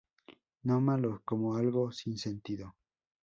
No malos como algo sin sentido.